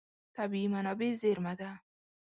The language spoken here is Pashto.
طبیعي منابع زېرمه ده.